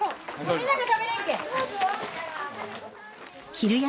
みんなで食べれんけぇ。